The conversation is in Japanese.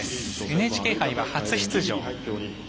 ＮＨＫ杯は初出場。